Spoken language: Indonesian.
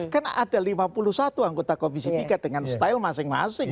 kan ada lima puluh satu anggota komisi tiga dengan style masing masing